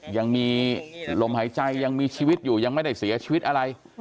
ยังมีลมหายใจยังมีชีวิตอยู่ยังไม่ได้เสียชีวิตอะไร